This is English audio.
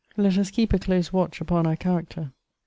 Let us keep a close watch upon our character!